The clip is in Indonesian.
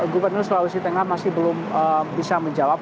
gubernur sulawesi tengah masih belum bisa menjawab